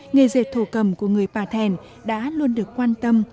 nghề dệt thổ cầm của người pà thèn đã luôn được quan tâm